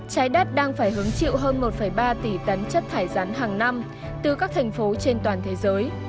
trái đất đang phải hứng chịu hơn một ba tỷ tấn chất thải rắn hàng năm từ các thành phố trên toàn thế giới